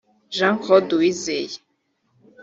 Jean Claude Uwizeye